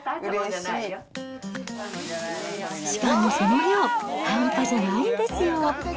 しかもその量半端じゃないんですよ。